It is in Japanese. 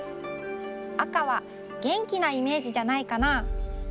赤はげんきなイメージじゃないかな？